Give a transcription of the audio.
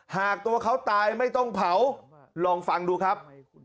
หากตัวเขาตายไม่ต้องเผาลองฟังดูครับ